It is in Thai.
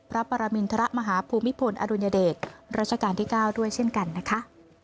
พระปรมินทรมาฮภูมิพลอดุลยเดชรัชกาลที่๙ด้วยเช่นกันนะคะ